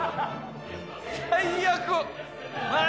最悪！